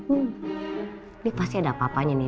ini pasti ada apapanya nih